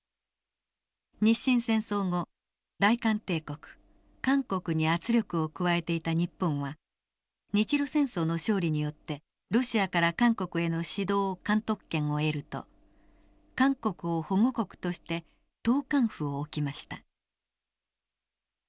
日清戦争後大韓帝国韓国に圧力を加えていた日本は日露戦争の勝利によってロシアから韓国への指導監督権を得ると韓国を保護国として統監府を置きました。